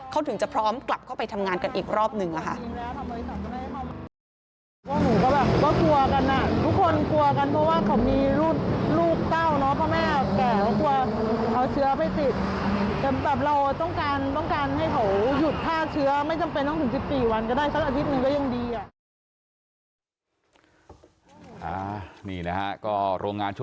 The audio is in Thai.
เขาถึงจะพร้อมกลับเข้าไปทำงานกันอีกรอบหนึ่งค่ะ